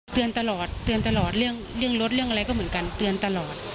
เตือนตลอดเตือนตลอดเรื่องรถเรื่องอะไรก็เหมือนกันเตือนตลอด